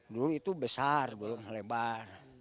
dulu itu besar belum lebar